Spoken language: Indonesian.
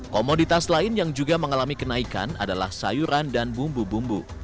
komoditas lain yang juga mengalami kenaikan adalah sayuran dan bumbu bumbu